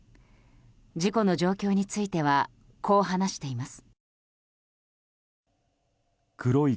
事故の状況についてはこう話しています。